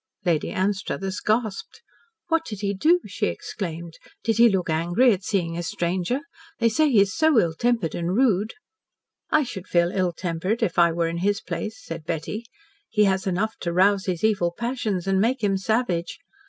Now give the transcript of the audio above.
Lady Anstruthers gasped. "What did he do?" she exclaimed. "Did he look angry at seeing a stranger? They say he is so ill tempered and rude." "I should feel ill tempered if I were in his place," said Betty. "He has enough to rouse his evil passions and make him savage.